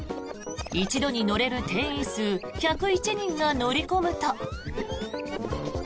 一度に乗れる定員数１０１人が乗り込むと。